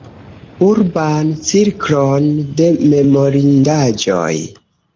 Urban cirklon de memorindaĵoj.